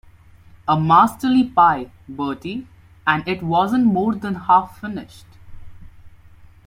A masterly pie, Bertie, and it wasn't more than half finished.